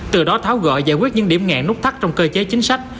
từ đó tháo gỡ giải quyết những điểm nghẹn nút thắt trong cơ chế chính sách